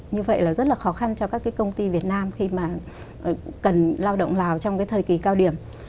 như vậy là rất là khó khăn cho các cái công ty việt nam khi mà cần lao động lào trong cái thời kỳ cao điểm